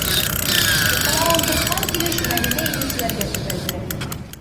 Уҡлауын тотҡан килеш Мәҙинә инеүселәргә төбәлде: